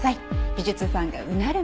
美術ファンがうなる